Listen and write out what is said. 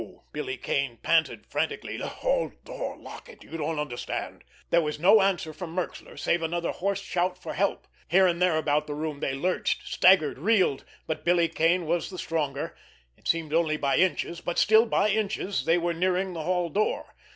Billy Kane panted frantically. "The hall door—lock it! You don't understand!" There was no answer from Merxler, save another hoarse shout for help. The boy was fighting like a demon. Here and there about the room they lurched, staggered, reeled, but Billy Kane was the stronger. It seemed only by inches, but still by inches they were nearing the hall door.